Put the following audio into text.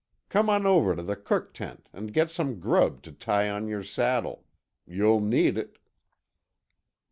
Come on over to the cook tent and get some grub to tie on your saddle. You'll need it."